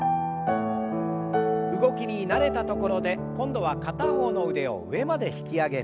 動きに慣れたところで今度は片方の腕を上まで引き上げます。